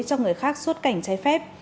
cho người khác suốt cảnh trái phép